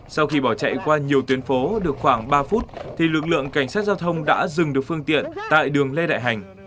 sau khi bỏ chạy qua nhiều tuyến phố được khoảng ba phút thì lực lượng cảnh sát giao thông đã dừng được phương tiện tại đường lê đại hành